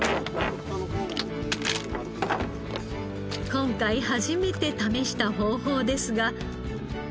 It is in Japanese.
今回初めて試した方法ですが。